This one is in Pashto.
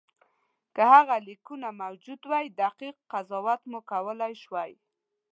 که هغه لیکونه موجود وای دقیق قضاوت مو کولای شوای.